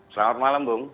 selamat malam bung